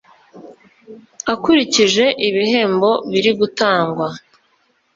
akurikije ibihembo birigutangwa